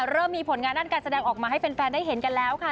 เริ่มมีผลงานด้านการแสดงออกมาให้แฟนได้เห็นกันแล้วค่ะ